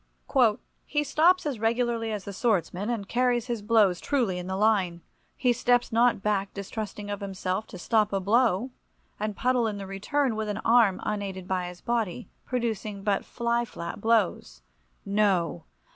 — "He stops as regularly as the swordsman, and carries his blows truly in the line; he steps not back distrusting of himself, to stop a blow, and puddle in the return, with an arm unaided by his body, producing but fly flap blows. No!